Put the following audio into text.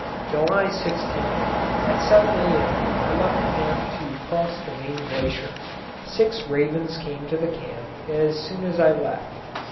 July 16. At 7 A.M. I left camp to cross the main glacier. Six ravens came to the camp as soon as I left.